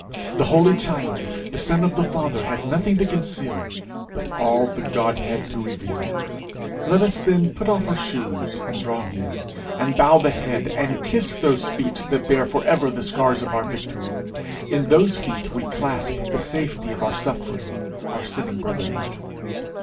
The Holy Child, the Son of the Father, has nothing to conceal, but all the Godhead to reveal. Let us then put off our shoes, and draw near, and bow the head, and kiss those feet that bear for ever the scars of our victory. In those feet we clasp the safety of our suffering, our sinning brotherhood.